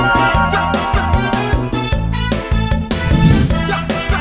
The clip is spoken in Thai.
สวัสดีค่ะ